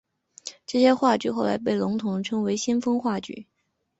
这些话剧后来被笼统地称为先锋话剧。